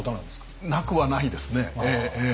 なくはないですねええ。